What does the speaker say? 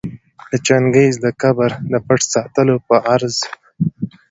د چنګیز د قبر د پټ ساتلو په غرض